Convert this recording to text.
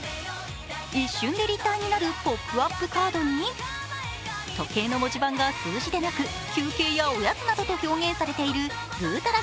一瞬で立体になるポップアップカードに時計の文字盤が数字でなく休憩やおやつなどと表現されているぐうたら